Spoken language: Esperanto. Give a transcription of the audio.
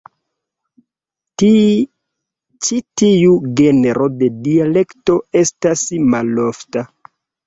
Ĉi tiu genro de dialekto estas malofta.